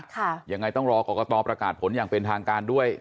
ยังไงต้องรอกรกตประกาศผลอย่างเป็นทางการด้วย